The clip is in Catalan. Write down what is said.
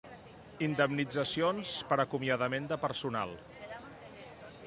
Indemnitzacions per acomiadament de personal.